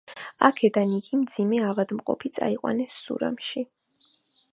აქედან იგი მძიმე ავადმყოფი წაიყვანეს სურამში.